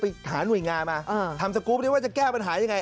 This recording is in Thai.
ไปหาหน่วยงานมาทำสกรูปนี้ว่าจะแก้ปัญหายังไง